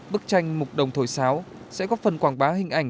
bức tranh mục đồng thổi sáo sẽ góp phần quảng bá hình ảnh